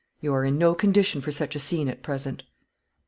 You are in no condition for such a scene at present."